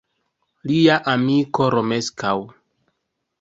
Lia amiko Romeskaŭ.